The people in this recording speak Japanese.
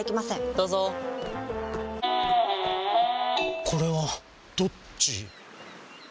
どうぞこれはどっち？